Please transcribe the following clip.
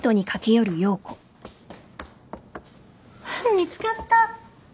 見つかった。